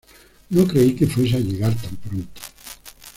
No creí que fuese a llegar tan pronto".